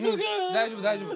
大丈夫大丈夫。